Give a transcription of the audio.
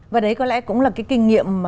và đấy có lẽ cũng là cái kinh nghiệm